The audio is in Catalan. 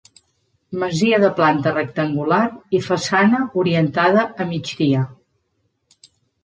Masia de planta rectangular i la façana orientada a migdia.